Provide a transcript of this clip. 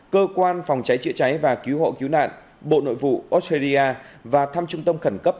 cơ quan phòng cháy chữa cháy và cứu hộ cứu nạn bộ nội vụ australia và thăm trung tâm khẩn cấp